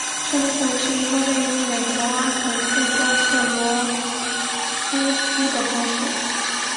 彻里谷是一个位于美国阿肯色州克罗斯县的城市。